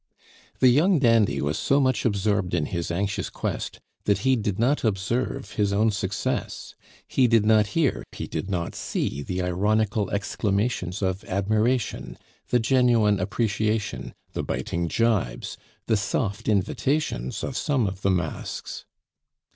The young dandy was so much absorbed in his anxious quest that he did not observe his own success; he did not hear, he did not see the ironical exclamations of admiration, the genuine appreciation, the biting gibes, the soft invitations of some of the masks.